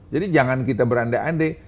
jadi jangan kita beranda anda